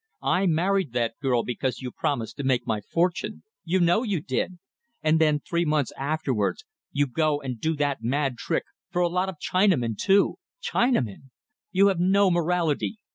I married that girl because you promised to make my fortune. You know you did! And then three months afterwards you go and do that mad trick for a lot of Chinamen too. Chinamen! You have no morality.